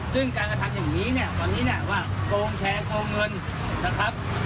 ซึ่งการกระทำอย่างนี้เนี่ยตอนนี้เนี่ยว่าโกงแชร์โกงเงินนะครับ